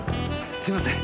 すいません